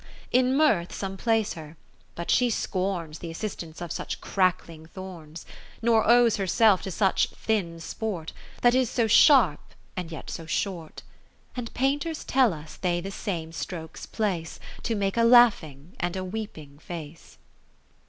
IV In Mirth some place her, but she scorns Th' assistance of such crackling thorns, 20 ' Nor owes herself to such thin i sport, ! That is so sharp and yet so short : And painters tell us they the same strokes place, To make a laughing and a weeping face.